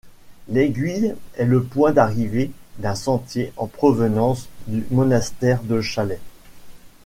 L'aiguille est le point d'arrivée d'un sentier en provenance du monastère de Chalais.